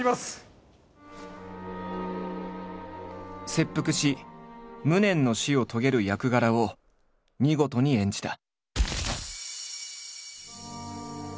切腹し無念の死を遂げる役柄を見事に演じた。